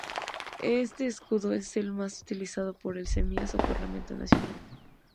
Este escudo es el utilizado por el Seimas, o Parlamento nacional.